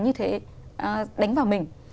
như thế đánh vào mình